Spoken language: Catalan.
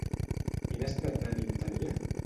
Quin estat d'ànim tenia?